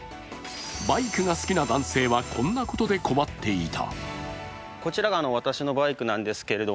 バイクが好きな男性はこんなことで困っていた。